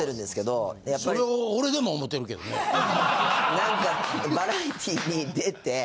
何かバラエティーに出て。